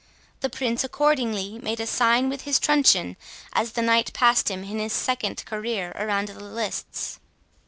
The Prince accordingly made a sign with his truncheon, as the Knight passed him in his second career around the lists.